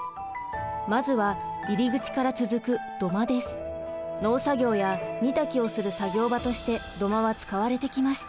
まずは入り口から続く農作業や煮炊きをする作業場として土間は使われてきました。